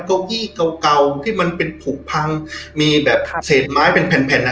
เก้าอี้เก่าเก่าที่มันเป็นผูกพังมีแบบเศษไม้เป็นแผ่นแผ่นอ่ะ